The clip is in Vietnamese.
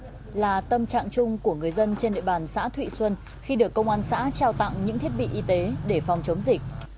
bất ngờ vui vẻ là tâm trạng chung của người dân trên địa bàn xã thụy xuân khi được công an xã trao tặng những thiết bị y tế để phòng chống dịch